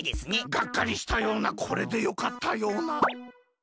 がっかりしたようなこれでよかったような。